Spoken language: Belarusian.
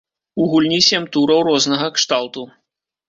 У гульні сем тураў рознага кшталту.